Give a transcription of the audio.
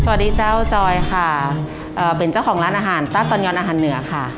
สวัสดีเจ้าจอยค่ะเอ่อเป็นเจ้าของร้านอาหารต้าตอนยอนอาหารเหนือค่ะ